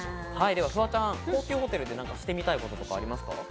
フワちゃん、高級ホテルでしてみたいことありますか？